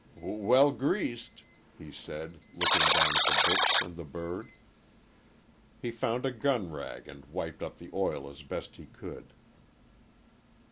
"W well greased!" he said, looking down at the books and the bird. He found a gun rag and wiped up the oil as best he could.